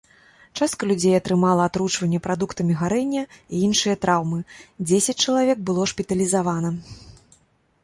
Частка людзей атрымала атручвання прадуктамі гарэння і іншыя траўмы, дзесяць чалавек было шпіталізавана.